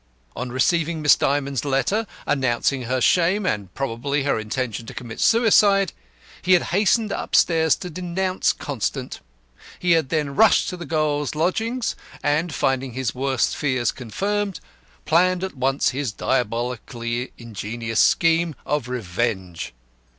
On receiving Miss Dymond's letter announcing her shame, and (probably) her intention to commit suicide, he had hastened upstairs to denounce Constant. He had then rushed to the girl's lodgings, and, finding his worst fears confirmed, planned at once his diabolically ingenious scheme of revenge.